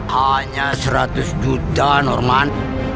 hanya seratus juta norman